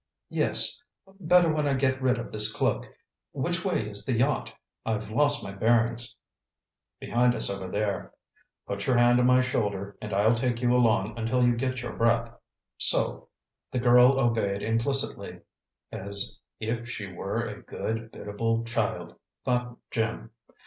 "Yes; better when I get rid of this cloak. Which way is the yacht? I've lost my bearings." "Behind us over there. Put your hand on my shoulder and I'll take you along until you get your breath. So!" The girl obeyed implicitly, "as if she were a good, biddable child," thought Jim.